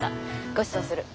ごちそうする。